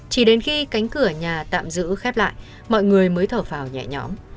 chỉ đến khi cánh cửa nhà tạm giữ khép lại mọi người mới thở vào nhẹ nhóm